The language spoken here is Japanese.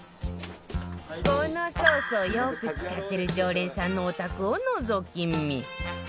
このソースをよく使ってる常連さんのお宅をのぞき見